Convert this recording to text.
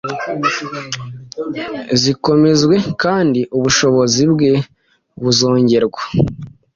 zikomezwe kandi ubushobozi bwe buzongerwa.